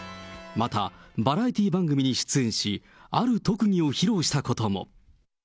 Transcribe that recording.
また、バラエティー番組に出演し、ある特技を披露したことも。